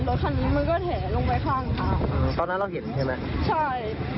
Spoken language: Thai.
รถคันนี้มันก็แหลงไปข้างทางตอนนั้นเราเห็นใช่ไหมใช่